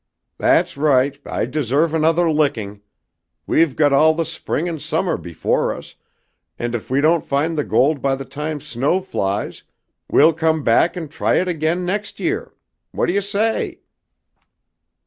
"That's right, I deserve another licking! We've got all the spring and summer before us, and if we don't find the gold by the time snow flies we'll come back and try it again next year! What do you say?"